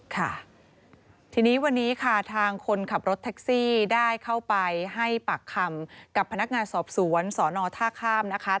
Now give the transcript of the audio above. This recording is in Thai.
ค่ะทีนี้วันนี้ค่ะทางคนขับรถแท็กซี่ได้เข้าไปให้ปากคำกับพนักงานสอบสวนสอนอท่าข้ามนะคะ